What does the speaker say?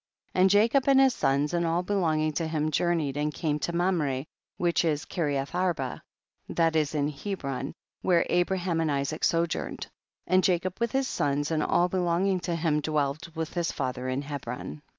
19. And Jacob and his sons and all belonging to him journeyed and came to Mamre, wJiich is Kireath arba, that is in Hebron, where Abra ham and Isaac sojourned, and Jacob with his sons and all belonging to him, dwelled with his father in Hebron.